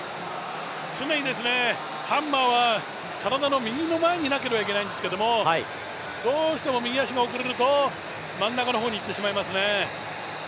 常にハンマーは体の右の前になければいけないんですけれども、どうしても右足が遅れると真ん中の方にいってしまいますね。